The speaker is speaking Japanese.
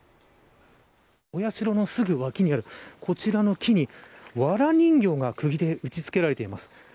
お社のすぐ脇にあるこちら向きにわら人形がくぎで打ち付けられています。